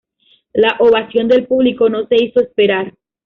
La ovación del público no se hizo esperar.